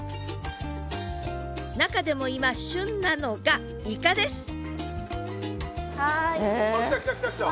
中でも今旬なのがイカです来た来た来た来た。